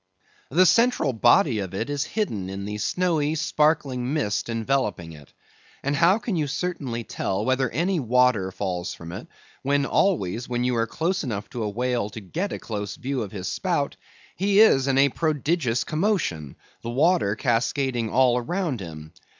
The central body of it is hidden in the snowy sparkling mist enveloping it; and how can you certainly tell whether any water falls from it, when, always, when you are close enough to a whale to get a close view of his spout, he is in a prodigious commotion, the water cascading all around him.